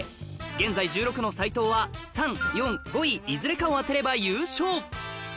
現在１６の斎藤は３・４・５位いずれかを当てれば優勝